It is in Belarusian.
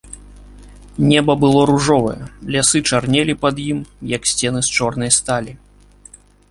Неба было ружовае, лясы чарнелі пад ім, як сцены з чорнай сталі.